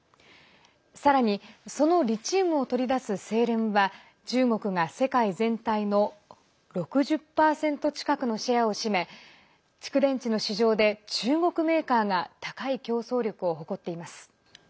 さらに、そのリチウムを取り出す製錬は中国が世界全体の６０％近くのシェアを占め蓄電池の市場で中国メーカーが高い競争力を誇っています。